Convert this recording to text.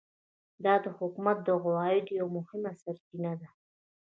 دا د حکومت د عوایدو یوه مهمه سرچینه وه.